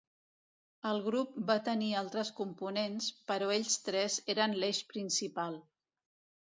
El grup va tenir altres components, però ells tres eren l'eix principal.